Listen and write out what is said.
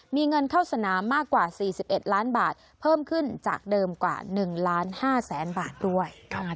มีเงินเข้าสนามมากกว่า๔๑ล้านบาทเพิ่มขึ้นจากเดิมกว่า๑ล้าน๕แสนบาทด้วย